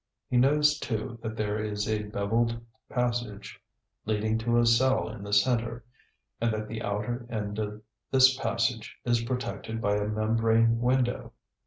He knows, too, that there is a beveled passage leading to a cell in the center and that the outer end of this passage is protected by a membrane window.